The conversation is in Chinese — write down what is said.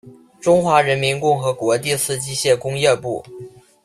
中华人民共和国第四机械工业部。